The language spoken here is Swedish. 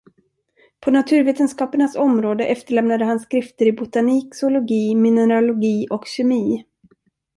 På naturvetenskapernas område efterlämnade han skrifter i botanik, zoologi, mineralogi och kemi.